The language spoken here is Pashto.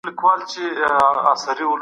ملي شورا د سولي پروسه نه خرابوي.